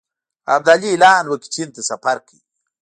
ابدالي اعلان وکړ چې هند ته سفر کوي.